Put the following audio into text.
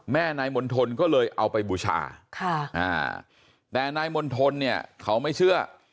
แม่นายมณฑลก็เลยเอาไปบูชาแต่นายมณฑลเนี่ยเขาไม่เชื่อ